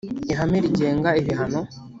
ihame rigenga ibihano